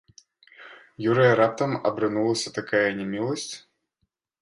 Юрыя раптам абрынулася такая няміласць?